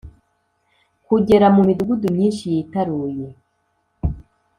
Kugera mu midugudu myinshi yitaruye